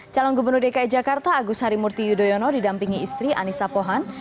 calon gubernur dki jakarta agus harimurti yudhoyono didampingi istri anissa pohan